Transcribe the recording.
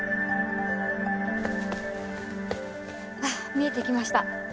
見えてきました。